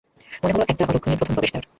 মনে হল এটা অলক্ষণের প্রথম প্রবেশ দ্বার।